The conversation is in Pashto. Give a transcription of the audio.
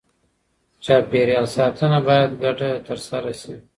چاپېریال ساتنه باید ګډه ترسره شي.